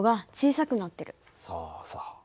そうそう。